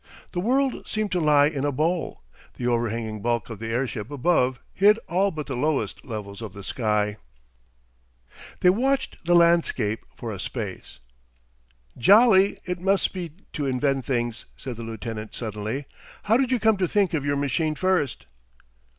The world seemed to lie in a bowl; the overhanging bulk of the airship above hid all but the lowest levels of the sky. They watched the landscape for a space. "Jolly it must be to invent things," said the lieutenant suddenly. "How did you come to think of your machine first?"